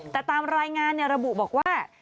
แต่ตามรายงานระบุบอกว่า